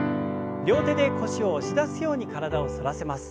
両手で腰を押し出すように体を反らせます。